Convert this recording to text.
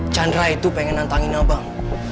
chandra itu pengen nantangin abang